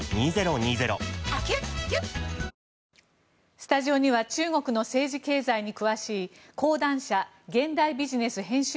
スタジオには中国の政治・経済に詳しい講談社現代ビジネス編集